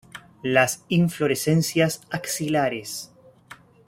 Las inflorescencias axilares.